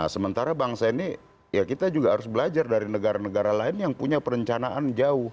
sementara bangsa ini ya kita juga harus belajar dari negara negara lain yang punya perencanaan jauh